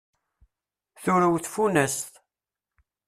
Turew tfunast.